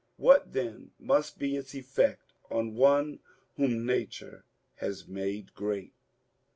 What then must be its effect on one whom Nature has made great.